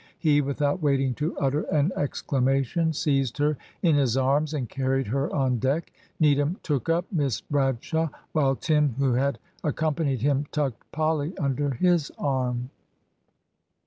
He, without waiting to utter an exclamation, seized her in his arms, and carried her on deck. Needham took up Miss Bradshaw, while Tim, who had accompanied him, tucked Polly under his arm.